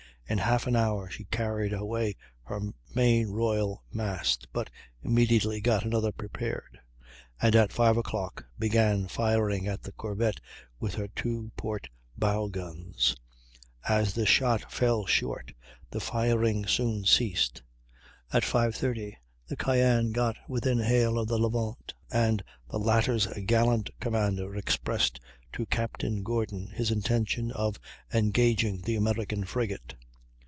In half an hour she carried away her main royal mast, but immediately got another prepared, and at 5 o'clock began firing at the corvette with the two port bow guns; as the shot fell short the firing soon ceased. At 5.30 the Cyane got within hail of the Levant, and the latter's gallant commander expressed to Captain Gordon his intention of engaging the American frigate.